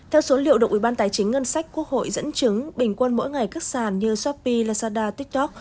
theo số liệu động ubnd quốc hội dẫn chứng bình quân mỗi ngày các sàn như shopee lazada tiktok